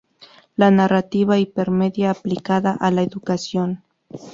La narrativa hipermedia aplicada a la educación.